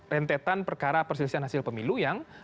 rentetan perkara perselisihan hasil pemilu yang